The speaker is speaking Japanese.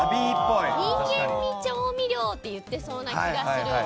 人間味調味料って言ってそうな気がする。